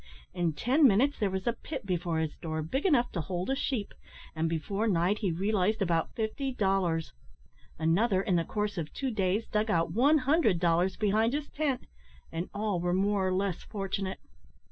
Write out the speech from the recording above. In ten minutes there was a pit before his door big enough to hold a sheep, and, before night, he realised about fifty dollars. Another, in the course of two days, dug out one hundred dollars behind his tent, and all were more or less fortunate.